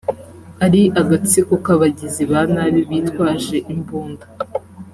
ari “agatsiko k’abagizi ba nabi bitwaje imbunda